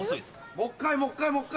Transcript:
もう一回もう一回。